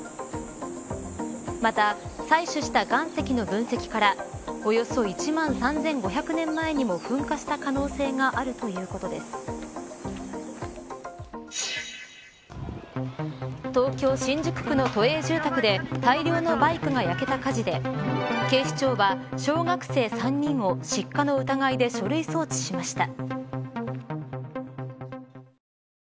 また採取した岩石の分析からおよそ１万３５００万年前にも東京、新宿区の都営住宅で大量のバイクが焼けた火事で警視庁は、小学生３人を失火の疑いで書類送致しました。